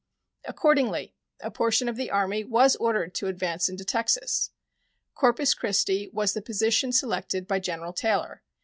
Accordingly, a portion of the Army was ordered to advance into Texas. Corpus Christi was the position selected by General Taylor.